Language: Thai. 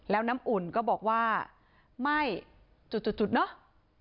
แล้วน้ำอุ่นก็บอกว่าไม่จุดเนอะ